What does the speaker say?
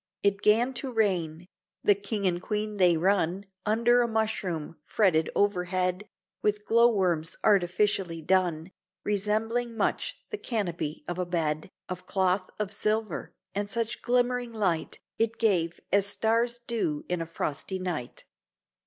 It 'gan to rain, the King and Queen they run Under a mushroom, fretted overhead, With glow worms artificially done, Resembling much the canopy of a bed Of cloth of silver: and such glimmering light It gave, as stars do in a frosty night.